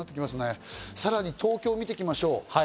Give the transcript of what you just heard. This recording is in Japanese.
さらに東京を見ていきましょう。